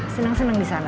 seneng seneng di sana